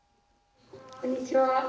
こんにちは。